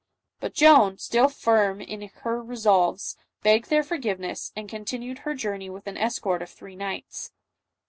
But Joan, still firm in her 152 JOAN OF ABC. resolves, begged their forgiveness, and continued her journey with an escort of three knights.